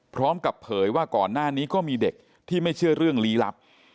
พร้อมกับเผยว่าก่อนหน้านี้ก็มีเด็กที่ไม่เชื่อเรื่องลี้ลับ